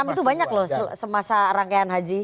enam itu banyak loh semasa rangkaian haji